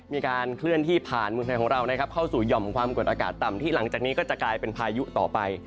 มีการเคลื่อนที่ผ่านเมืองไทยของเรานะครับเข้าสู่ห่อมความกดอากาศต่ำที่หลังจากนี้ก็จะกลายเป็นพายุต่อไป